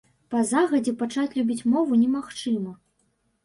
Па загадзе пачаць любіць мову немагчыма.